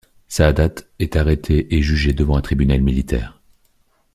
Saadat est arrêté et jugé devant un tribunal militaire.